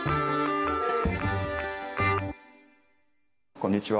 こんにちは。